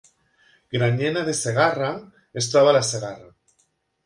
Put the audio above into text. Granyena de Segarra es troba a la Segarra